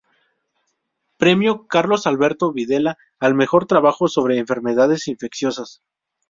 Premio "Carlos Alberto Videla" al mejor trabajo sobre Enfermedades infecciosas.